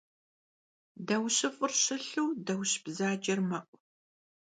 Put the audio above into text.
Dauşıf'ır şılhu dauş bzacer me'u.